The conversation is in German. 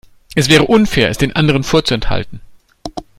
Es wäre unfair, es den anderen vorzuenthalten.